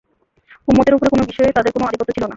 উম্মতের উপরে কোন বিষয়েই তাদের কোন আধিপত্য ছিল না।